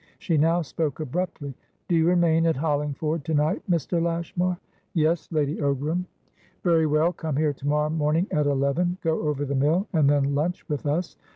She now spoke abruptly. "Do you remain at Hollingford to night, Mr. Lashmar?" "Yes, Lady Ogram." "Very well. Come here to morrow morning at eleven, go over the mill, and then lunch with us.